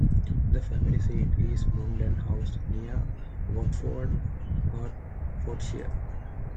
The family seat is Munden House, near Watford, Hertfordshire.